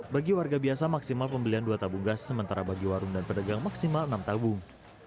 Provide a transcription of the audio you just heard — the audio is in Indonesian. bagi warga biasa maksimal pembelian dua tabung gas sementara bagi warung dan pedagang maksimal enam tabung